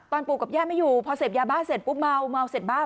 ปู่กับย่าไม่อยู่พอเสพยาบ้าเสร็จปุ๊บเมาเมาเสร็จบ้าน